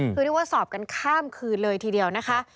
คือเรียกว่าสอบกันข้ามคืนเลยทีเดียวนะคะ